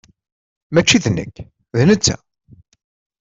Mačči d nekk, d netta!